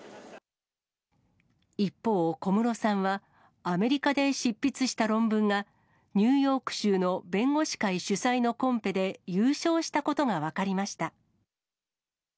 一方、小室さんは、アメリカで執筆した論文が、ニューヨーク州の弁護士会主催のコンペで、優勝したことが分かりました。